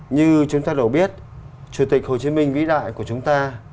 như chúng ta đều biết chủ tịch hồ chí minh vĩ đại của chúng ta